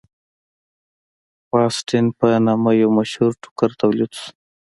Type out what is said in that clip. فاسټین په نامه یو مشهور ټوکر تولید شو.